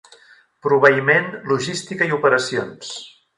Proveïment, logística i operacions.